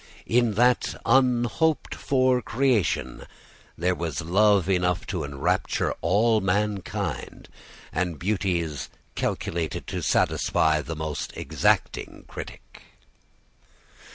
In that unhoped for creation there was love enough to enrapture all mankind, and beauties calculated to satisfy the most exacting critic.